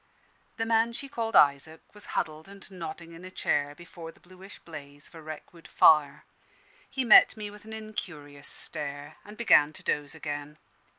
The man she called Isaac was huddled and nodding in a chair, before the bluish blaze of a wreck wood fire. He met me with an incurious stare, and began to doze again.